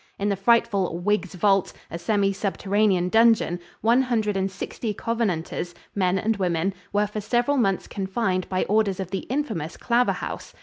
In the frightful "Whig's Vault," a semi subterranean dungeon, one hundred and sixty covenanters men and women were for several months confined by orders of the infamous Claverhouse.